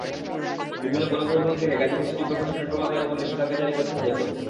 বিভিন্ন গণপরিবহন থেকে গাজীপুর সিটি করপোরেশনের টোল আদায়ের ওপর নিষেধাজ্ঞা জারি করেছেন হাইকোর্ট।